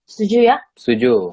setuju ya setuju